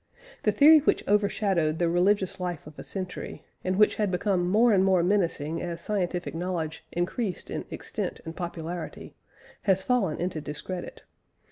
The theory which overshadowed the religious life of a century, and which had become more and more menacing as scientific knowledge increased in extent and popularity, has fallen into discredit.